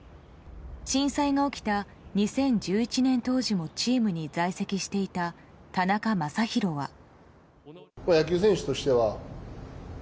震災が起きた２０１１年当時もチームに在籍していた田中将大は。